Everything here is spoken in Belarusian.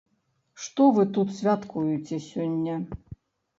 Што вы тут святкуеце сёння?